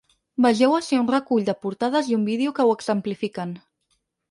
Vegeu ací un recull de portades i un vídeo que ho exemplifiquen.